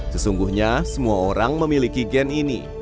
sesungguhnya semua orang memiliki gen ini